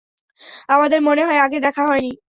আমাদের মনেহয় আগে দেখা হয়নি।